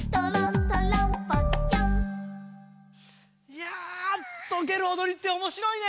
いやとけるおどりっておもしろいね！